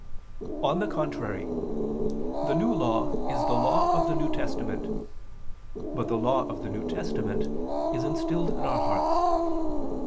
On the contrary, The New Law is the law of the New Testament. But the law of the New Testament is instilled in our hearts.